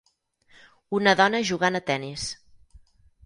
Una dona jugant a tenis.